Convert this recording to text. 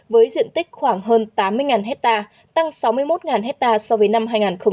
với diện tích khoảng hơn tám mươi hectare tăng sáu mươi một hectare so với năm hai nghìn một mươi bảy